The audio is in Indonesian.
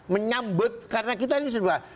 menyambut karena kita ini sebuah